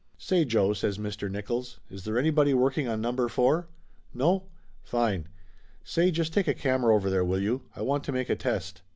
"Say, Joe," says Mr. Nickolls, "is there anybody working on Number Four? No? Fine! Say, just take a camera over there, will you! I want to make a test."